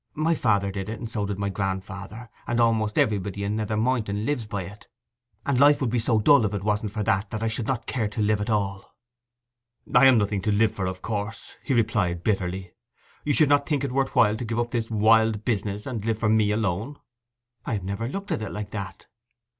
'My father did it, and so did my grandfather, and almost everybody in Nether Moynton lives by it, and life would be so dull if it wasn't for that, that I should not care to live at all.' 'I am nothing to live for, of course,' he replied bitterly. 'You would not think it worth while to give up this wild business and live for me alone?' 'I have never looked at it like that.